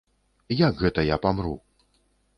Як гэта я памру?